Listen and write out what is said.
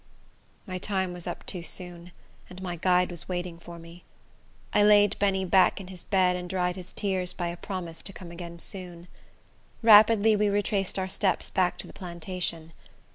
My time was up too soon, and my guide was waiting for me. I laid Benny back in his bed, and dried his tears by a promise to come again soon. Rapidly we retraced our steps back to the plantation.